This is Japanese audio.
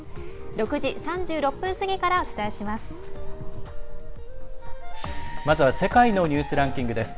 ６時３６分過ぎからお伝えします。